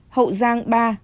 hậu giang ba